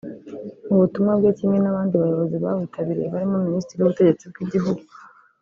Mu butumwa bwe kimwe n’abandi bayobozi bawitabiriye barimo Minisitiri w’Ubutegetsi bw’Igihugu